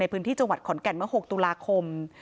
พื้นที่จังหวัดขอนแก่นเมื่อ๖ตุลาคม